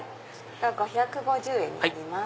５５０円になります。